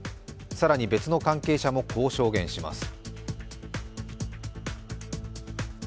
更に別の関係者もこう証言します。